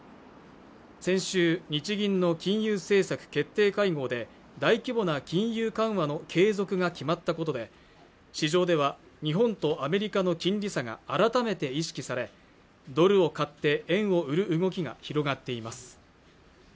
先週日銀の金融政策決定会合で大規模な金融緩和の継続が決まったことで市場では日本とアメリカの金利差が改めて意識されドルを買って円を売る動きが広がっています